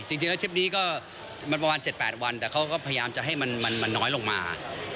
จริงแล้วทริปนี้ก็มันประมาณ๗๘วันแต่เขาก็พยายามจะให้มันน้อยลงมา